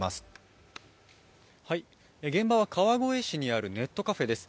現場は川越市にあるネットカフェです。